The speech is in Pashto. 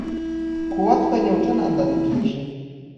قوت په نیوټن اندازه کېږي.